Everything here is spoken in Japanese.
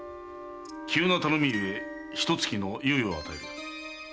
急な頼みゆえひと月の猶予を与える。